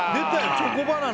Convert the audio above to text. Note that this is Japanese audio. チョコバナナ